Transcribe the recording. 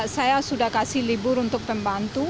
saya sudah kasih libur untuk pembantu